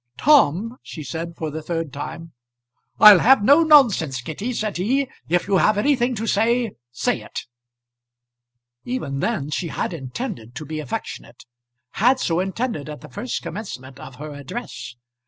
"Tom!" she said for the third time. "I'll have no nonsense, Kitty," said he. "If you have anything to say, say it." Even then she had intended to be affectionate, had so intended at the first commencement of her address.